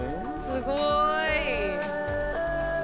すごい。